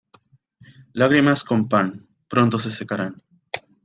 Lagrimas con pan, pronto se secarán.